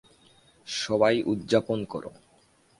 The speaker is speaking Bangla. সবাই, উদযাপন করো!